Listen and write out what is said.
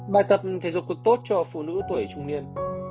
bài tập thể dục cực tốt cho phụ nữ tuổi trung niên